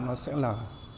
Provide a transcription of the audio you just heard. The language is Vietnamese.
nó sẽ là